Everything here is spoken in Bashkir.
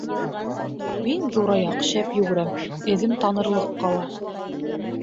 Мин, Ҙур Аяҡ, шәп йүгерәм, әҙем танырлыҡ ҡала.